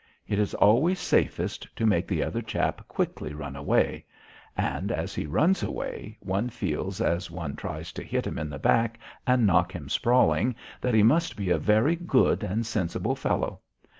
It is always safest to make the other chap quickly run away. And as he runs away, one feels, as one tries to hit him in the back and knock him sprawling, that he must be a very good and sensible fellow.